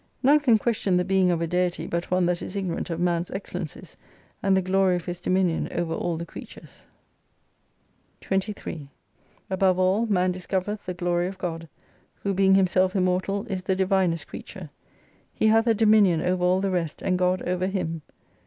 None can question the being of a Deity but one that is ignorant of man's excellencies, and the glory of his dominion over all the creatures, 23 Above all, man discovereth the glory of God ; who being himself Immortal, is the divinest creature. He hath a dominion over all the rest, and God over him.